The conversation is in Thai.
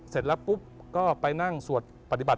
เสร็จแล้วปุ๊บก็ไปนั่งสวดปฏิบัติ